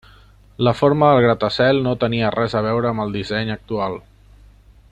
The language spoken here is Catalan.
La forma del gratacel no tenia res a veure amb el disseny actual.